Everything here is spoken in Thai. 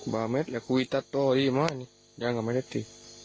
บาเมฆอยากคุยตัดต่อดีมากนี่ยังไม่ได้สิ